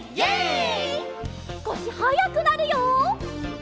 すこしはやくなるよ。